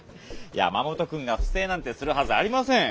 山本君がふ正なんてするはずありません。